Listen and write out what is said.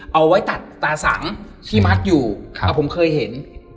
เอาไว้ตัดตาสังที่มัดอยู่แต่ผมเคยเห็น